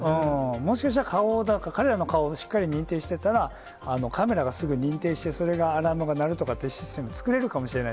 もしかしたら彼らの顔、しっかり認定してたら、カメラがすぐ認定して、それがアラームが鳴るっていうシステム作れるかもしれない。